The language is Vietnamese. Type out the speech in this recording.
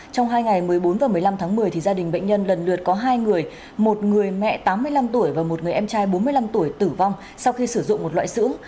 trong hai ngày một mươi bốn và một mươi năm tháng một mươi gia đình bệnh nhân lần lượt có hai người một người mẹ tám mươi năm tuổi và một người em trai bốn mươi năm tuổi tử vong sau khi sử dụng một loại sữa